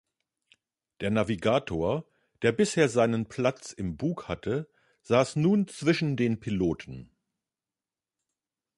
Der Navigator, der bisher seinen Platz im Bug hatte, saß nun zwischen den Piloten.